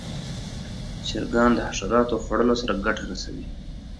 چرګان د حشراتو خوړلو سره ګټه رسوي.